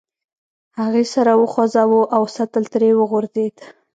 هغې سر وخوزاوه او سطل ترې وغورځید.